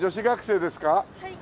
はい。